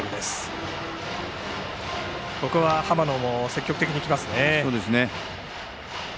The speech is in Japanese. ここは浜野も積極的にいきますね。